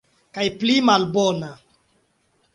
Kaj pli malbona.